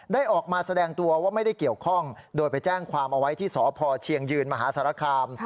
ออกมาแสดงตัวว่าไม่ได้เกี่ยวข้องโดยไปแจ้งความเอาไว้ที่สพเชียงยืนมหาสารคาม